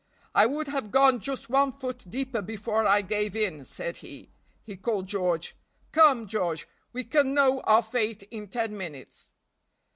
"I would have gone just one foot deeper before I gave in," said he; he called George. "Come, George, we can know our fate in ten minutes."